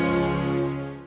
papa nggak boleh tahu